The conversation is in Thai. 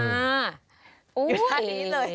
อูยชัดนี้เลย